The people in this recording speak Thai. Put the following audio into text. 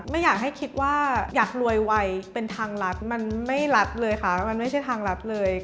ไม่อยากให้คิดว่าอยากรวยไวเป็นทางรัฐมันไม่รัดเลยค่ะมันไม่ใช่ทางรัฐเลย